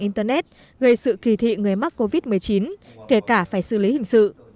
internet gây sự kỳ thị người mắc covid một mươi chín kể cả phải xử lý hình sự